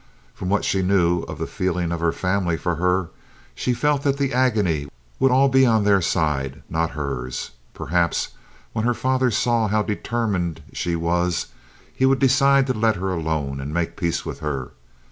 From what she knew of the feeling of her family for her, she felt that the agony would all be on their side, not hers. Perhaps when her father saw how determined she was he would decide to let her alone and make peace with her.